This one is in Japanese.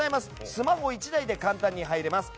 スマホ１台で簡単に入れます。